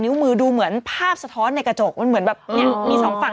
มือดูเหมือนภาพสะท้อนในกระจกมันเหมือนแบบเนี่ยมีสองฝั่ง